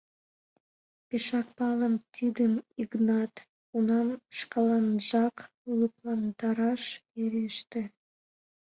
— Пешак палем тидым, Йыгнат, — унам шкаланжак лыпландараш вереште.